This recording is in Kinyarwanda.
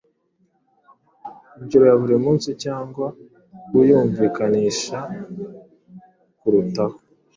ingingo ya buri munsi cyangwa kuyumvikanisha kurutaho.